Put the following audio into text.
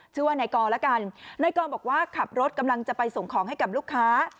ชื่อว่านายกรแล้วกันนายกรบอกว่าขับรถกำลังจะไปส่งของให้กับลูกค้า